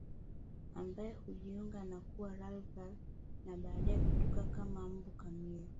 Ambayo hujiangua na kuwa larvae na baadaye kutoka kama mbu kamili